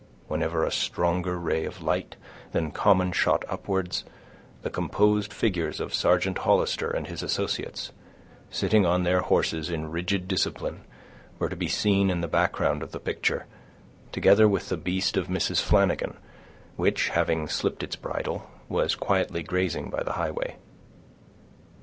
Whenever a stronger ray of light than common shot upwards, the composed figures of Sergeant Hollister and his associates, sitting on their horses in rigid discipline, were to be seen in the background of the picture, together with the beast of Mrs. Flanagan, which, having slipped its bridle, was quietly grazing by the highway.